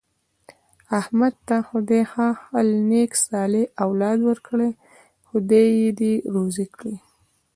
احمد ته خدای ښه حل نېک صالح اولاد ورکړی، خدای یې دې روزي کړي.